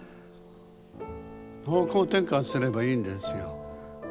方向転換すればいいんですよ。